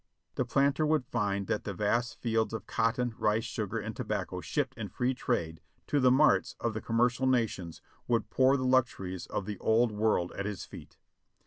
The planter would find that the vast fields of cotton, rice, sugar, and tobacco shipped in free trade to the marts of the commercial nations would pour the luxuries of the Old World at his feet.